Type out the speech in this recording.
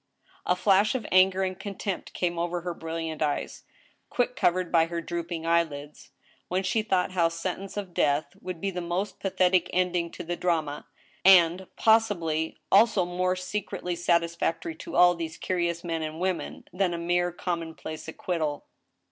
A flash of anger and contempt came over her brilliant eyes, quick covered by her drooping eyelids, when she thought how sentence of death would be the most pathetic ending to the drama, and, possi bly, also more secretly satisfactory to all these curious men and women, than a mere commonplace acquittal.